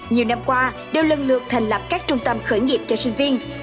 nhiều năm qua đều lần lượt thành lập các trung tâm khởi nghiệp cho sinh viên